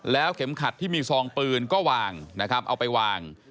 เข็มขัดที่มีซองปืนก็วางนะครับเอาไปวาง